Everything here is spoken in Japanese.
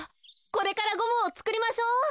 これからゴムをつくりましょう。